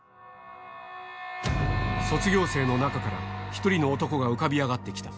卒業生の中から、一人の男が浮かび上がってきた。